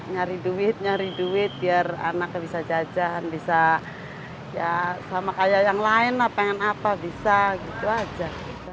nyari duit nyari duit biar anaknya bisa jajan bisa ya sama kayak yang lain lah pengen apa bisa gitu aja